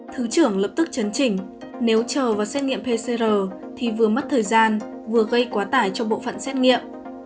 thứ trưởng lập tức chấn chỉnh nếu chờ vào xét nghiệm pcr thì vừa mất thời gian vừa gây quá tải cho bộ phận xét nghiệm